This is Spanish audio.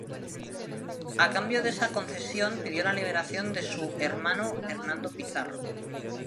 A cambio de esa concesión pidió la liberación de su hermano Hernando Pizarro.